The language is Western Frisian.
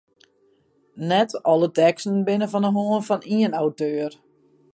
Net alle teksten binne fan de hân fan ien auteur.